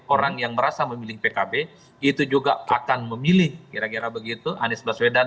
orang yang merasa memilih pkb itu juga akan memilih kira kira begitu anies baswedan